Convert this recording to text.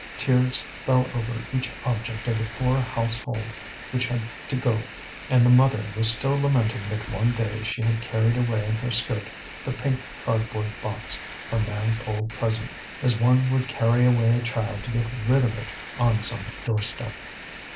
Tears fell over each object of the poor household which had to go, and the mother was still lamenting that one day she had carried away in her skirt the pink cardboard box, her man's old present, as one would carry away a child to get rid of it on some doorstep.